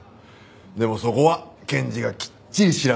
でもそこは検事がきっちり調べ上げる。